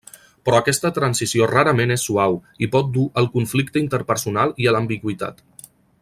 Però aquesta transició rarament és suau, i pot dur al conflicte interpersonal i a l'ambigüitat.